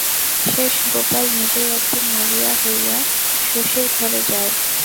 শেষে গোপাল নিজেই একদিন মরিয়া হইয়া শশীর ঘরে যায়।